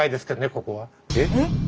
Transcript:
ここは。えっ？